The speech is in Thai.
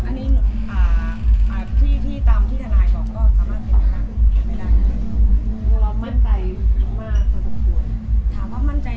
อันนี้พี่ตามที่ทนายบอกก็สามารถเป็นคำไม่ได้